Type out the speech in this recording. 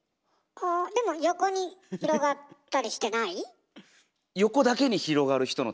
あでも横に広がったりしてない？